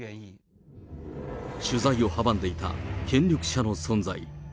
取材を阻んでいた権力者の存在。